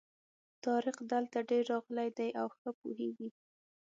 طارق دلته ډېر راغلی دی او ښه پوهېږي.